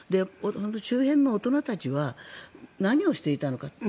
周辺の大人たちは何をしていたのか。